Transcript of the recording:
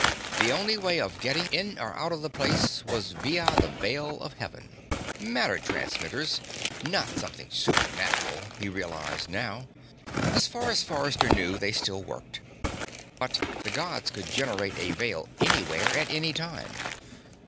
The only way of getting in or out of the place was via the Veils of Heaven matter transmitters, not something supernatural, he realized now. As far as Forrester knew, they still worked. But the Gods could generate a Veil anywhere, at any time.